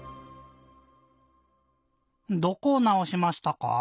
どこをなおしましたか？